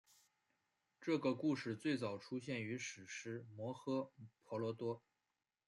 这个故事最早出现于史诗摩诃婆罗多。